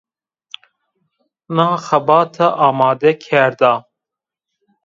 Na xebate amade kerda